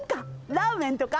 ラーメンとか。